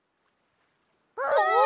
あ！